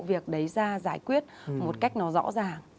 việc đấy ra giải quyết một cách nó rõ ràng